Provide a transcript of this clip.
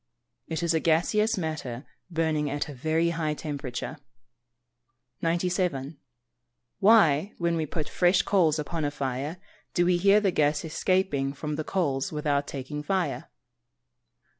_ It is gaseous matter burning at a very high temperature. 97. _Why, when we put fresh coals upon a fire, do we hear the gas escaping from the coals without taking fire?